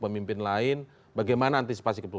pemimpin lain bagaimana antisipasi